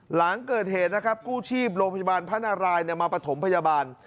หลังเกิดเหตุนะครับกู้ชีพโรงพยาบาลพระนารายมาประถมพยาบาล